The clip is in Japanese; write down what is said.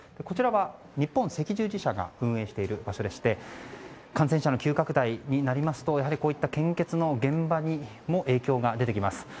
こちらは日本赤十字社が運営している場所でして感染者の急拡大になりますとこういった献血の現場にも影響が出てきます。